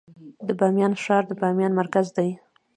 د بامیان ښار د بامیان مرکز دی